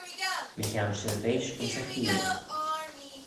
Mychione shirveish ayns y cheeill.